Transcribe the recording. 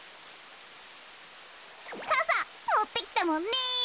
かさもってきたもんね。